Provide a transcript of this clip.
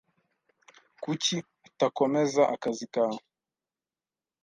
Kuki utakomeza akazi kawe?